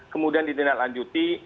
kemudian ditinggal lanjuti